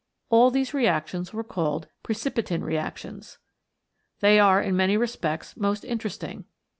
All these reactions were called Pre cipitin Reactions. They are in many respects most interesting.